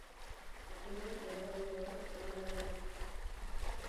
Azken hau, denbora galdu gabe, Erromara abiatu zen.